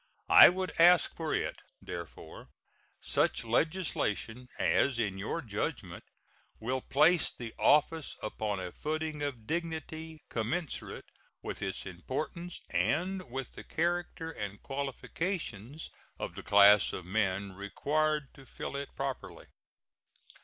I would ask for it, therefore, such legislation as in your judgment will place the office upon a footing of dignity commensurate with its importance and with the character and qualifications of the class of men required to fill it properly.